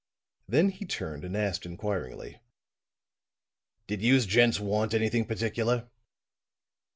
Then he turned and asked inquiringly: "Did youse gents want anything particular?"